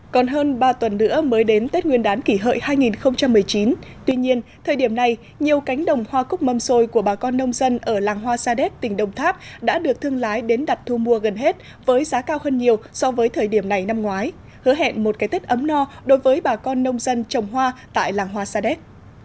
còn hơn ba tuần nữa mới đến tết nguyên đán kỷ hợi hai nghìn một mươi chín tuy nhiên thời điểm này nhiều cánh đồng hoa cúc mâm xôi của bà con nông dân ở làng hoa sa đéc tỉnh đồng tháp đã được thương lái đến đặt thu mua gần hết với giá cao hơn nhiều so với thời điểm này năm ngoái hứa hẹn một cái tết ấm no đối với bà con nông dân trồng hoa tại làng hoa sa đéc